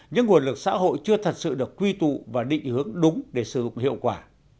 những nguồn lực xã hội chưa thật sự được quy tụ và định hướng đúng để sử dụng hiệu quả